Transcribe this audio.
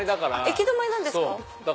行き止まりなんですか